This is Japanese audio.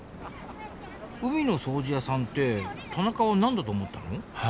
海の掃除屋さんって田中は何だと思ったの？